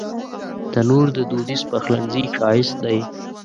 تنور د دودیز پخلنځي ښایست دی